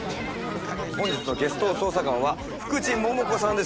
本日のゲスト捜査官は福地桃子さんです。